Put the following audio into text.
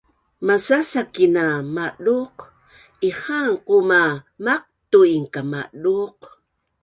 masasakin a maduq ihaan quma maqtu’in kamaduq